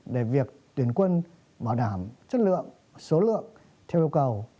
để việc tuyển quân bảo đảm chất lượng số lượng theo yêu cầu